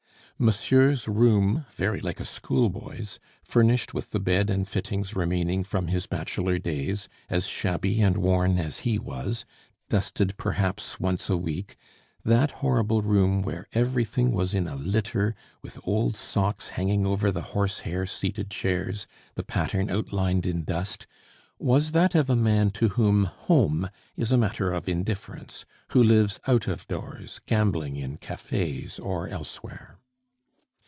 Monsieur's room, very like a schoolboy's, furnished with the bed and fittings remaining from his bachelor days, as shabby and worn as he was, dusted perhaps once a week that horrible room where everything was in a litter, with old socks hanging over the horsehair seated chairs, the pattern outlined in dust, was that of a man to whom home is a matter of indifference, who lives out of doors, gambling in cafes or elsewhere.